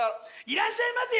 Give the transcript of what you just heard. いらっしゃいませ！